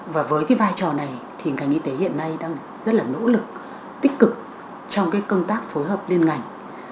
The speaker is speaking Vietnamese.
và với vai trò này ngành y tế hiện nay đang rất nỗ lực tích cực trong công tác phối hợp liên ngành